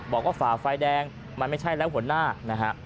ฝ่าไฟแดงมันไม่ใช่แล้วหัวหน้านะฮะ